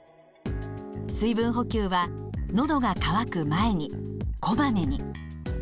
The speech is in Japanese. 水分補給は「のどが渇く前に」「こまめに」。